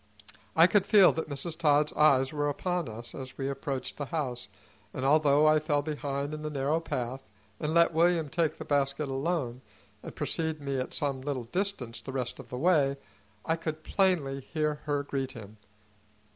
I could feel that Mrs. Todd's eyes were upon us as we approached the house, and although I fell behind in the narrow path, and let William take the basket alone and precede me at some little distance the rest of the way, I could plainly hear her greet him.